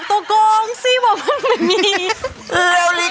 พ่มโผออกมาจากฉาก